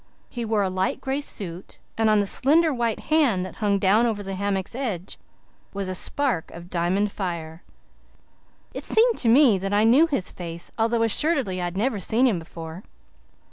He wore a light gray suit, and on the slender white hand that hung down over the hammock's edge was a spark of diamond fire. It seemed to me that I knew his face, although assuredly I had never seen him before.